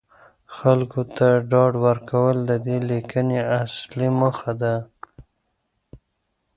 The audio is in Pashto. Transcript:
خلکو ته ډاډ ورکول د دې لیکنې اصلي موخه ده.